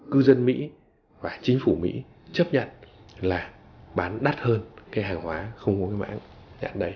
cư dân mỹ và chính phủ mỹ chấp nhận là bán đắt hơn cái hàng hóa không có cái mãng nhãn này